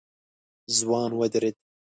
ځوان ودرېد.